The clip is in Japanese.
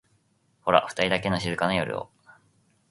ホラふたりだけの静かな夜を